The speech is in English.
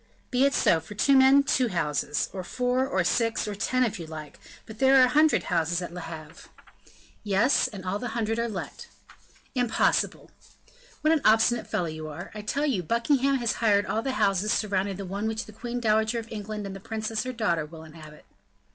"Be it so; for two men, two houses, or four or six, or ten, if you like; but there are a hundred houses at Le Havre." "Yes, and all the hundred are let." "Impossible!" "What an obstinate fellow you are. I tell you Buckingham has hired all the houses surrounding the one which the queen dowager of England and the princess her daughter will inhabit."